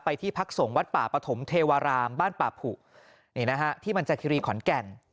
ที่พักส่งวัดป่าปฐมเทวารามบ้านป่าผุนี่นะฮะที่มันจากคิรีขอนแก่น